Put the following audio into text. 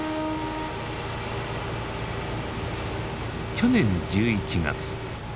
去年１１月。